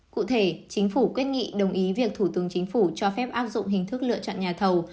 cụ thể chính phủ quyết nghị đồng ý việc thủ tướng chính phủ cho phép áp dụng hình thức lựa chọn nhà thầu